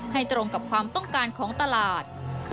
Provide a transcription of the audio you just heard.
ตรงกับความต้องการของตลาด